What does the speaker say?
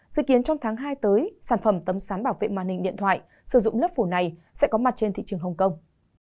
dự kiến trong tháng hai tới sản phẩm tấm sán bảo vệ màn hình điện thoại sử dụng lớp phủ này sẽ có mặt trên thị trường hồng kông